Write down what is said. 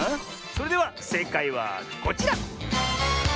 それではせいかいはこちら！